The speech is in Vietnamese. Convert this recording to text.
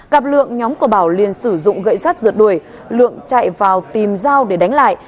gặp lượng nhóm của bảo liên sử dụng gậy sắt rượt đuổi lượng chạy vào tìm dao để đánh lại